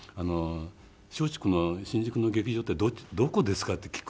「松竹の新宿の劇場ってどこですか？」って聞くんですよ。